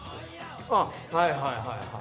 あっはいはいはいはい。